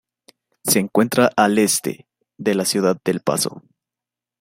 Se encuentra al este de la ciudad de El Paso.